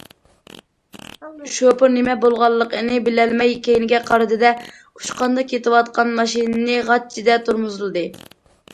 شوپۇر نېمە بولغانلىقىنى بىلەلمەي كەينىگە قارىدى- دە، ئۇچقاندەك كېتىۋاتقان ماشىنىنى« غاچچىدە» تورمۇزلىدى.